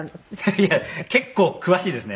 いや結構詳しいですね！